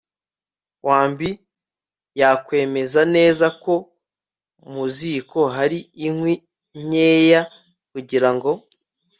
wambui yakwemeza neza ko mu ziko hari inkwi nkeya kugirango